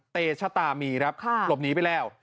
เตชะตามีครับหลบหนีไปแล้ว